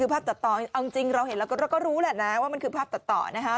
ภาพตัดต่อเอาจริงเราเห็นแล้วก็รู้แหละนะว่ามันคือภาพตัดต่อนะคะ